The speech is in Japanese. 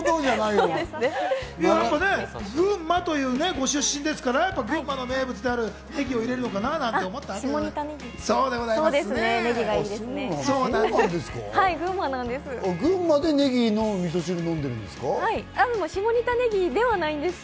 群馬ご出身ですから、群馬の名物であるネギを入れるのかなと思ったんです。